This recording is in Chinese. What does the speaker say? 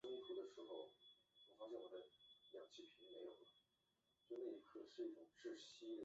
这些规则卫星都以泰坦巨人族或其他与农神萨图尔努斯相关的神只之名来命名。